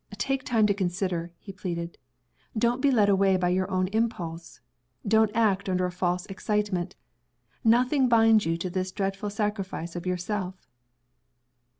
"Take time to consider," he pleaded. "Don't be led away by your own impulse. Don't act under a false excitement. Nothing binds you to this dreadful sacrifice of yourself."